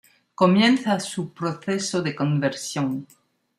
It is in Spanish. Comienza su proceso de conversión.